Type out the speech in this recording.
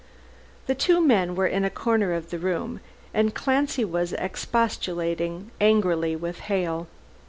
The two men were in a corner of the room, and Clancy was expostulating angrily with Hale.